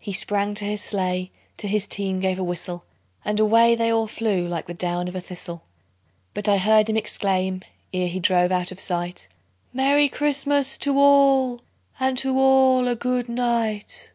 He sprang to his sleigh, to his team gave a whistle, And away they all flew like the down of a thistle; But I heard him exclaim, ere he drove out of sight, "Merry Christmas to all, and to all a good night!"